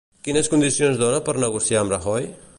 Quines condicions dona per negociar amb Rajoy?